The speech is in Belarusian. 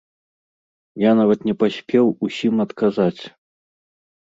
Я нават не паспеў усім адказаць.